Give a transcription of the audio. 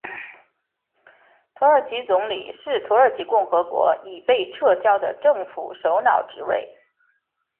土耳其总理是土耳其共和国已被撤销的政府首脑职位。